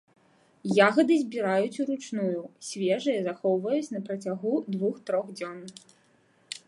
Ягады збіраюць уручную, свежыя захоўваюць на працягу двух-трох дзён.